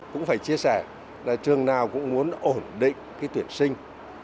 cũng phải chia sẻ là trường nào cũng muốn ổn định cái tuyển sinh